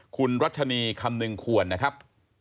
คุณรัชนีคำนึงควรนะครับ